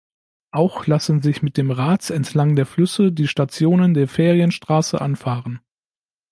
Auch lassen sich mit dem Rad entlang der Flüsse die Stationen der Ferienstraße anfahren.